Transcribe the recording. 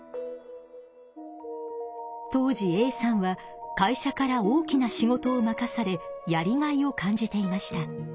当時Ａさんは会社から大きな仕事を任されやりがいを感じていました。